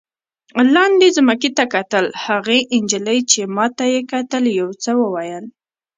لاندې ځمکې ته کتل، هغې نجلۍ چې ما ته یې کتل یو څه وویل.